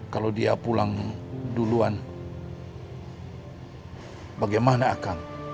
kalau dia pulang duluan bagaimana akan